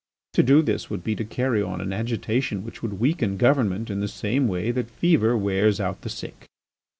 To do this would be to carry on an agitation which would weaken government in the same way that fever wears out the sick.